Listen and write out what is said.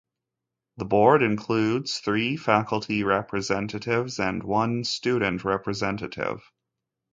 The board includes three faculty representatives and one student representative.